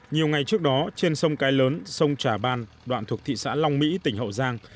nhiều ngày trước đó trên sông cái lớn sông trà ban đoạn thuộc thị xã long mỹ tỉnh hậu giang